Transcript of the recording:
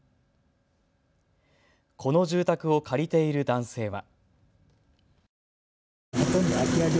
この住宅を借りている男性は。